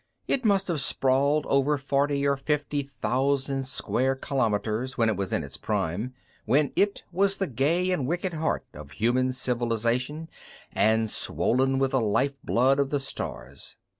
It must have sprawled over forty or fifty thousand square kilometers when it was in its prime, when it was the gay and wicked heart of human civilization and swollen with the lifeblood of the stars.